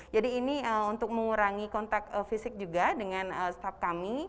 ini untuk mengurangi kontak fisik juga dengan staff kami